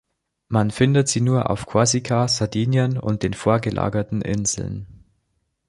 Man findet sie nur auf Korsika, Sardinien und den vorgelagerten Inseln.